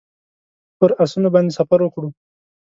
پر آسونو باندې سفر وکړو.